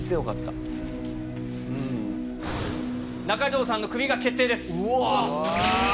中条さんのクビが決定です。